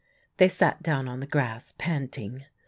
They sat down on the grass, panting.